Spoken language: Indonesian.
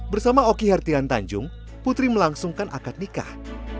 bersama oki hertian tanjung putri melangsungkan akad nikah